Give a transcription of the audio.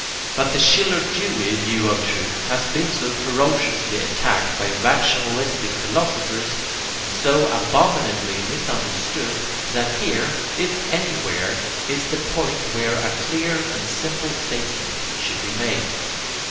But the Schiller Dewey view of truth has been so ferociously attacked by rationalistic philosophers, and so abominably misunderstood, that here, if anywhere, is the point where a clear and simple statement should be made.